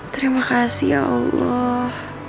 terima kasih ya allah